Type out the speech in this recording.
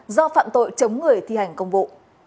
do phạm tội chống người thi hành công vụ